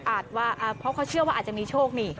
ว่าเพราะเขาเชื่อว่าอาจจะมีโชคนี่